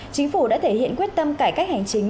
chính phủ đã thể hiện quyết tâm cải cách hành chính